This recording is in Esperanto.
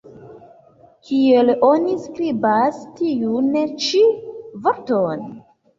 Kiel oni skribas tiun ĉi vorton?